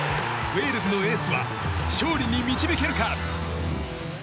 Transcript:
ウェールズのエースは勝利に導けるか。